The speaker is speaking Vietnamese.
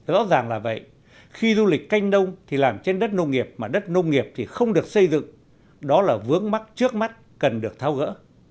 rõ ràng là vậy khi du lịch canh nông thì làm trên đất nông nghiệp mà đất nông nghiệp thì không được xây dựng đó là vướng mắc trước mắt cần được tháo gỡ